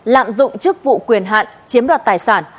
lạm dụng chức vụ quyền hạn chiếm đoạt tài sản